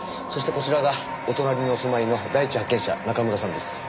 そしてこちらがお隣にお住まいの第一発見者中村さんです。